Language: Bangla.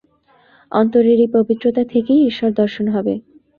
অন্তরের এই পবিত্রতা থেকেই ঈশ্বর-দর্শন হবে।